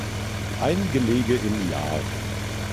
Ein Gelege im Jahr.